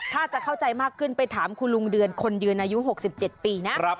ถ้าจะเข้าใจมากขึ้นไปถามคุณลุงเดือนคนเดือนอายุหกสิบเจ็ดปีนะ